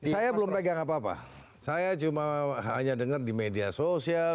saya belum pegang apa apa saya cuma hanya dengar di media sosial